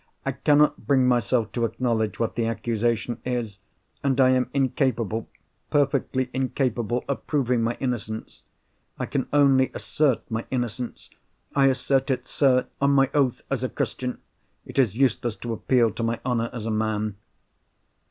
I cannot bring myself to acknowledge what the accusation is. And I am incapable, perfectly incapable, of proving my innocence. I can only assert my innocence. I assert it, sir, on my oath, as a Christian. It is useless to appeal to my honour as a man."